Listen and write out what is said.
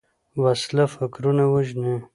وسله فکرونه وژني